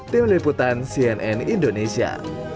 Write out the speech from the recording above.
tim liputan cnn indonesia